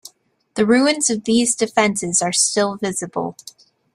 The ruins of these defences are still visible.